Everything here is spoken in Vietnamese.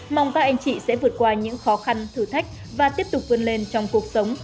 mong các anh chị sẽ vượt qua những khó khăn thử thách và tiếp tục vươn lên trong cuộc sống